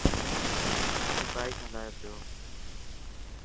اي بائڪ هلائي پيو.